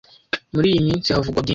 Muri iyi minsi havugwa byinshi